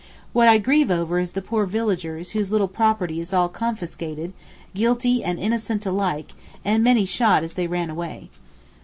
What I grieve over is the poor villagers whose little property is all confiscated, guilty and innocent alike, and many shot as they ran away.